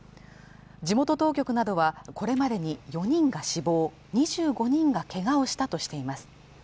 地元当局などはこれまでに４人が死亡２５人がけがをしたとしています